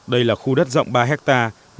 đây là khu đất rộng ba hectare